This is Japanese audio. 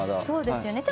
そうですよね。